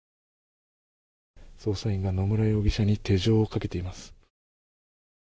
捜査員が野村容疑者に手錠をかけています。